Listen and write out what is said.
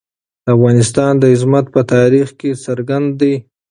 د افغانستان عظمت په تاریخ کې څرګند دی.